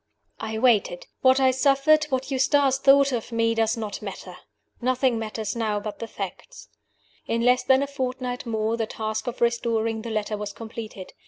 I waited. What I suffered, what Eustace thought of me, does not matter. Nothing matters now but the facts. In less than a fortnight more the task of restoring the letter was completed.